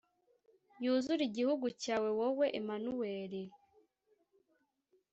yuzure igihugu cyawe, wowe Emanuweli!